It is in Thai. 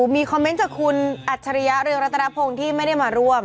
มีคอมเมนต์จากคุณอัจฉริยะเรืองรัตนพงศ์ที่ไม่ได้มาร่วม